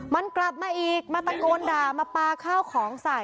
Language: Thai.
มันกลับมาอีกมาตะโกนด่ามาปลาข้าวของใส่